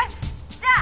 じゃあ」